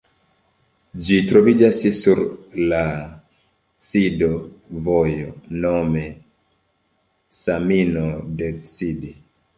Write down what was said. Ĝi troviĝas sur la Cido-vojo nome "Camino del Cid".